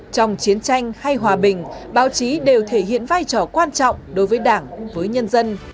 trong chiến tranh hay hòa bình báo chí đều thể hiện vai trò quan trọng đối với đảng với nhân dân